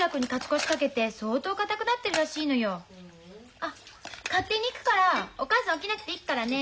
あ勝手に行くからお母さん起きなくていいからね。